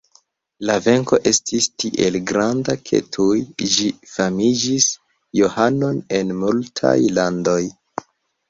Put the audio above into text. La venko estis tiel granda, ke tuj ĝi famigis Johanon en multaj landoj.